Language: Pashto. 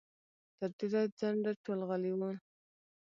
تر ډېره ځنډه ټول غلي وو.